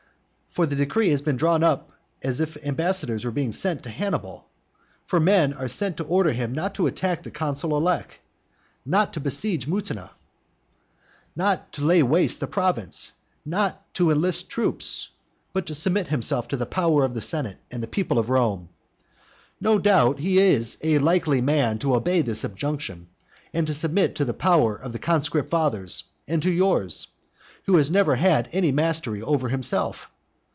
For the decree has been drawn up as if ambassadors were being sent to Hannibal. For men are sent to order him not to attack the consul elect, not to besiege Mutina, not to lay waste the province, not to enlist troops, but to submit himself to the power of the senate and people of Rome. No doubt he is a likely man to obey this injunction, and to submit to the power of the conscript fathers and to yours, who has never even had any mastery over himself.